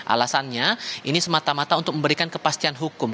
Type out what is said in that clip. alasannya ini semata mata untuk memberikan kepastian hukum